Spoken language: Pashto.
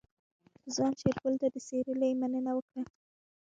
ځوان شېرګل ته د سيرلي مننه وکړه.